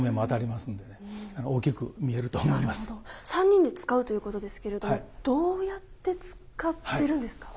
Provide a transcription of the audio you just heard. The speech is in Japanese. ３人で遣うということですけれどもどうやって遣ってるんですか。